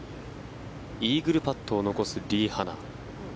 イーグルパットを残すリ・ハナ。